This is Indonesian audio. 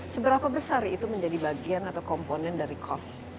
seberapa besar itu menjadi bagian atau komponen dari cost